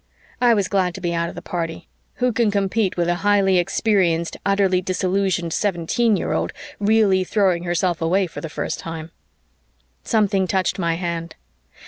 I was glad to be out of the party. Who can compete with a highly experienced, utterly disillusioned seventeen year old really throwing herself away for the first time? Something touched my hand.